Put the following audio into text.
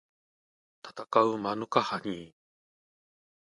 たたかうマヌカハニー